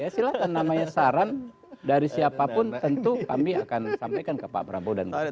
silahkan namanya saran dari siapapun tentu kami akan sampaikan ke pak prabowo dan